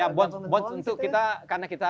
ya bonds bonds untuk kita karena kita